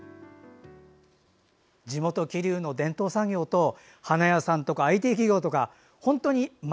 地元・桐生の伝統産業と花屋さんとかＩＴ企業とか本当に街